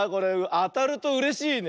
あたるとうれしいね。